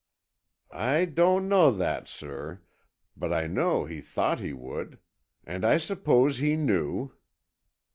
"I don't know that, sir, but I know he thought he would. And I suppose he knew."